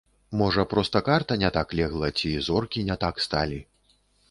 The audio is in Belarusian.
Можа, проста карта не так легла, ці зоркі не так сталі?